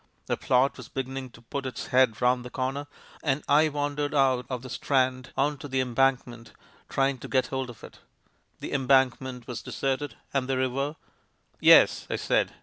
A plot was beginning to put its head round the corner, and I wandered out of the Strand on to the Embank ment trying to get hold of it. The Embank ment was deserted, and the river " "Yes," I said.